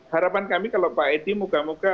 harapan kami kalau pak edi moga moga